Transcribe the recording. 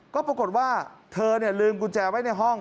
ก็ปรากฏว่าเธอลืมกุญแจไว้ในห้อง